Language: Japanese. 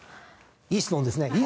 いい質問ですね！